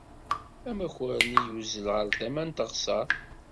Amakar-nni yuzzel ɣer tama n teɣsert.